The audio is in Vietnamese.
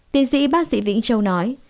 tiến sĩ bác sĩ vĩnh châu nói